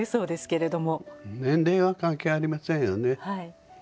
年齢は関係ありませんよね。